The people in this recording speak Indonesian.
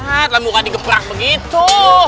ah tak buka di geprak begitu